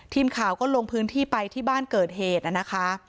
ทีมข่าวก็ลงพื้นที่ไปที่บ้านเกิดเหตุนะคะ